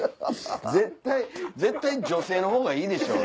絶対絶対女性の方がいいでしょ。